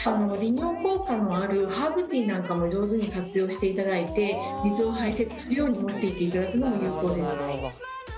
利尿効果のあるハーブティーなんかも上手に活用していただいて水を排せつするようにもっていっていただくのも有効ですね。